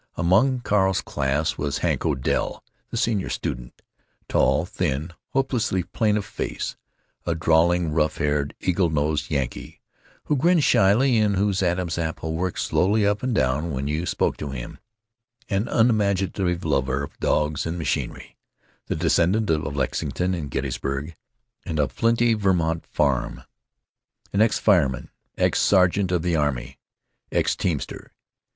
Among Carl's class was Hank Odell, the senior student, tall, thin, hopelessly plain of face; a drawling, rough haired, eagle nosed Yankee, who grinned shyly and whose Adam's apple worked slowly up and down when you spoke to him; an unimaginative lover of dogs and machinery; the descendant of Lexington and Gettysburg and a flinty Vermont farm; an ex fireman, ex sergeant of the army, and ex teamster.